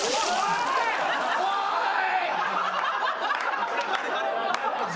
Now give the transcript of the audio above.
おい！